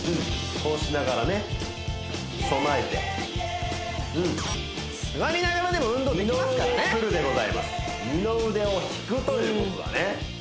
こうしながらね備えて座りながらでも運動できますからね二の腕プルでございます二の腕を引くということだね